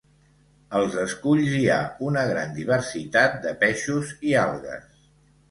Als esculls hi ha una gran diversitat de peixos i algues.